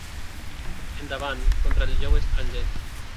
Endavant, contra el jou estranger!